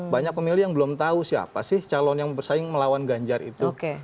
banyak pemilih yang belum tahu siapa sih calon yang bersaing melawan ganjar itu